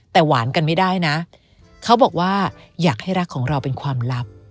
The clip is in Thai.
แต่หวานกันไม่ได้นะเขาบอกว่าอยากให้รักของเราเป็นความลับ